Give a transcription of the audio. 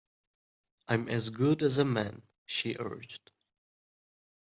I'm as good as a man, she urged.